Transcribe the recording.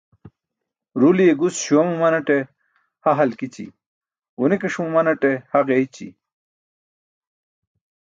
Ruliye gus śuwa mumanate ha halkići, ġuni̇ki̇ṣ mumanate ha ġeeyci̇.